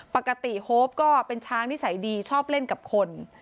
ปกติโฮปก็เป็นช้างนิสัยดีชอบเล่นกับคน